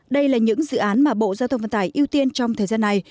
đây là những dự án mà bộ giao thông vận tải ưu tiên trong thời gian này